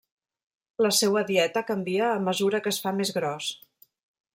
La seua dieta canvia a mesura que es fa més gros.